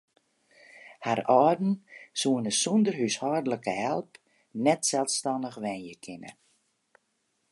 Har âlden soene sûnder húshâldlike help net selsstannich wenje kinne.